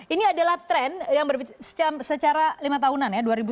ini adalah tren yang secara lima tahunan ya